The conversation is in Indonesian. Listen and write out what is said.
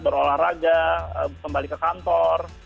berolahraga kembali ke kantor